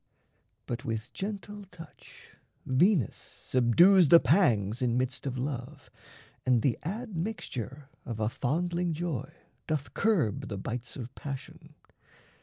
But with gentle touch Venus subdues the pangs in midst of love, And the admixture of a fondling joy Doth curb the bites of passion.